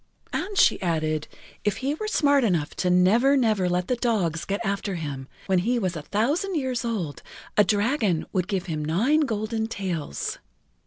And she added if he were smart enough to never, never let the dogs get after him, when he was a thousand years old a dragon would give him nine golden tails.